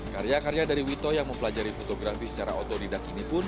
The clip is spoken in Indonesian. karya karya dari wito yang mempelajari fotografi secara otodidak ini pun